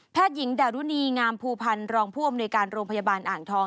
หญิงดารุณีงามภูพันธ์รองผู้อำนวยการโรงพยาบาลอ่างทอง